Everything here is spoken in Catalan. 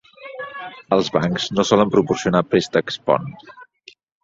Els bancs no solen proporcionar préstecs pont.